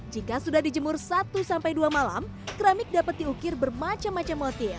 jika sudah dijemur satu sampai dua malam keramik dapat diukir bermacam macam motif